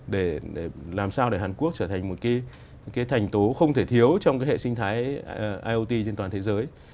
để làm sao để hàn quốc trở thành một cái thành tố không thể thiếu trong hệ sinh thái iot trên toàn thế giới